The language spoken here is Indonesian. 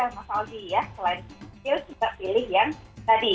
masalahnya ya selain kecil kita pilih yang tadi